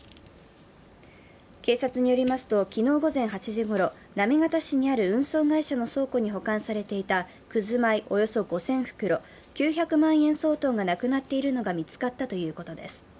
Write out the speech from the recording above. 警察によりますと昨日午前８時ごろ、行方市にある運送会社の倉庫に保管されていたくず米、およそ５０００袋９００万円相当がなくなっているのが見つかったということです。